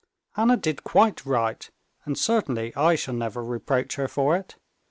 "Anna did quite right, and certainly I shall never reproach her for it.